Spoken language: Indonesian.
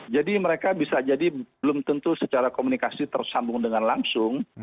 jadi mereka bisa jadi belum tentu secara komunikasi tersambung dengan langsung